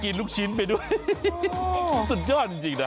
ลูกชิ้นไปด้วยสุดยอดจริงนะ